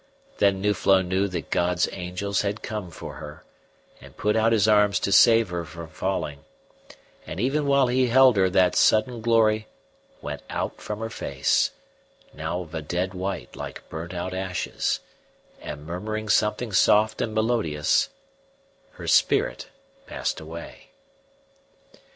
Then Nuflo knew that God's angels had come for her, and put out his arms to save her from falling; and even while he held her that sudden glory went out from her face, now of a dead white like burnt out ashes; and murmuring something soft and melodious, her spirit passed away.